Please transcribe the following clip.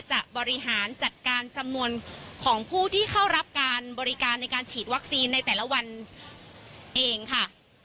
บริหารจัดการจำนวนของผู้ที่เข้ารับการบริการในการฉีดวัคซีนในแต่ละวันเองค่ะ